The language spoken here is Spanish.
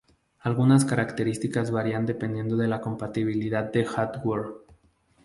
Algunas características varian dependiendo de la compatibilidad de hardware.